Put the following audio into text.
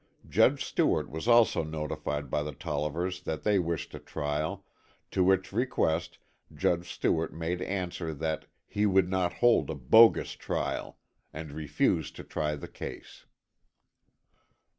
Judge Stewart was also notified by the Tollivers that they wished a trial, to which request Judge Stewart made answer that he "would not hold a bogus trial" and refused to try the case.